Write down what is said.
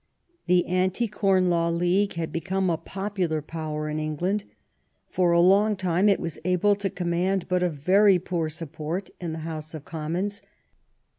The Anti Corn Law League had become a popular power in England. For a long time it was able to command but a very poor support in the House of Commons.